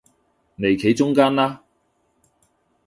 嚟企中間啦